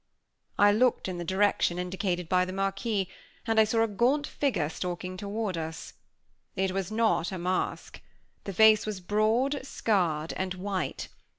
I looked in the direction indicated by the Marquis, and I saw a gaunt figure stalking toward us. It was not a masque. The face was broad, scarred, and white.